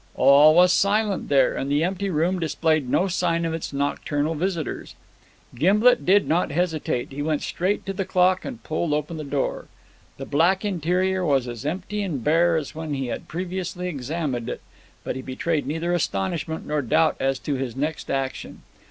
All was silent there, and the empty room displayed no sign of its nocturnal visitors. Gimblet did not hesitate. He went straight to the clock and pulled open the door. The black interior was as empty and bare as when he had previously examined it, but he betrayed neither astonishment nor doubt as to his next action.